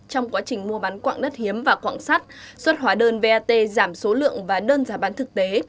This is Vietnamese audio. trong quá trình mua bán quạng đất hiếm và quạng sắt xuất hóa đơn vat giảm số lượng và đơn giá bán thực tế